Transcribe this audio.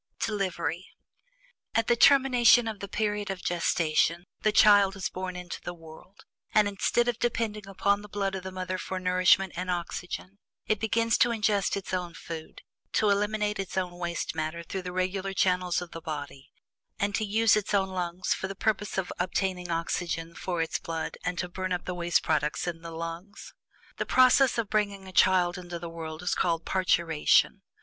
DELIVERY. At the termination of the period of gestation, the child is born into the world, and, instead of depending upon the blood of the mother for nourishment and oxygen, it begins to ingest its own food, to eliminate its own waste matter through the regular channels of the body, and to use its own lungs for the purpose of obtaining oxygen for its blood and to burn up the waste products in the lungs. The process of bringing a child into the world is called "parturition."